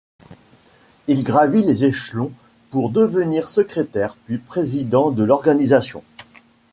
Il gravit les échelons pour devenir secrétaire puis président de l'organisation.